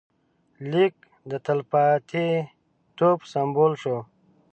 لیک د تلپاتېتوب سمبول شو.